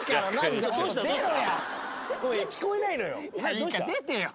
いいから出てよ。